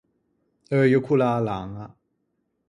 Euio ch’o l’à a laña.